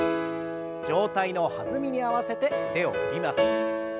上体の弾みに合わせて腕を振ります。